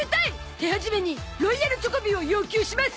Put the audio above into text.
手始めにロイヤルチョコビを要求します！